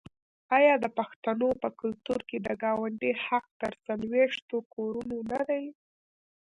آیا د پښتنو په کلتور کې د ګاونډي حق تر څلوېښتو کورونو نه دی؟